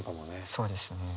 そうですね。